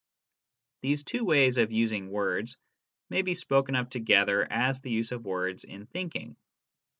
These two ways of using words may be spoken of together as the use of words in " thinking."